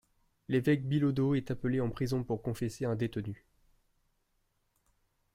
L’évêque Bilodeau est appelé en prison pour confesser un détenu.